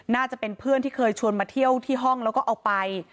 น่าจะเป็นเพื่อนที่เคยชวนมาเที่ยวที่ห้องแล้วก็เอาไป